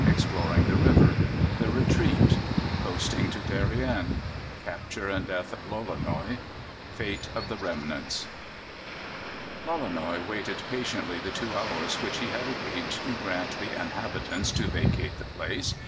Exploring the River. The Retreat. Coasting to Darien. Capture and Death of Lolonois. Fate of the Remnants. Lolonois waited patiently the two hours which he had agreed to grant the inhabitants to vacate the place.